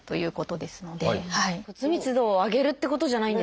骨密度を上げるってことじゃないんですか？